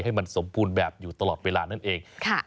ให้มันสมบูรณ์แบบอยู่ตลอดเวลานั่นเอง